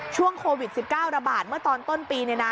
ช่วงโควิด๑๙ระบาดเมื่อตอนต้นปี